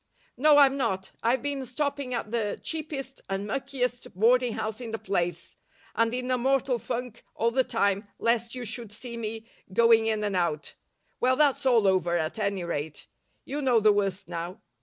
"No, I'm not. I've been stopping at the cheapest and muckiest boarding house in the place, and in a mortal funk all the time lest you should see me going in and out. Well, that's all over, at any rate. You know the worst now.